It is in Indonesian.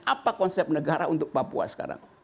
apa konsep negara untuk papua sekarang